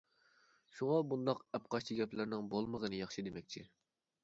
شۇڭا بۇنداق ئەپقاچتى گەپلەرنىڭ بولمىغىنى ياخشى دېمەكچى.